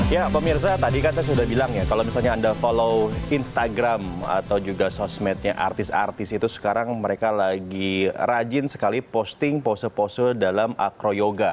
ya pemirsa tadi kan saya sudah bilang ya kalau misalnya anda follow instagram atau juga sosmednya artis artis itu sekarang mereka lagi rajin sekali posting pose pose dalam acroyoga